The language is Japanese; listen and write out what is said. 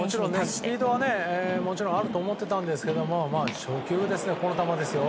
スピードはもちろんあると思ってたんですけど初球、この球ですよ。